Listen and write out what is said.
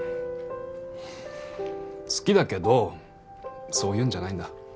好きだけどそういうんじゃないんだ。